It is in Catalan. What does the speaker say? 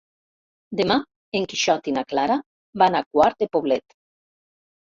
Demà en Quixot i na Clara van a Quart de Poblet.